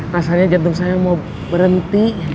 rasanya jantung saya mau berhenti